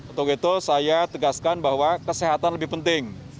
untuk itu saya tegaskan bahwa kesehatan lebih penting